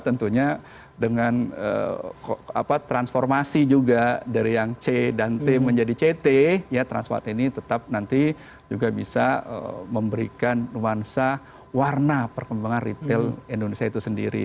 tentunya dengan transformasi juga dari yang c dan t menjadi ct ya transmart ini tetap nanti juga bisa memberikan nuansa warna perkembangan retail indonesia itu sendiri